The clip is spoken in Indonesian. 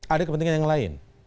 ada kepentingan yang lain